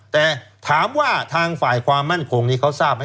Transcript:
แต่ถามว่าทางฝ่ายความมั่นคงนี้เขาทราบไหม